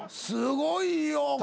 すごいよ。